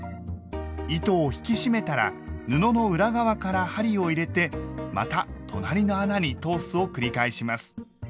糸を引き締めたら布の裏側から針を入れてまた隣の穴に通すを繰り返します。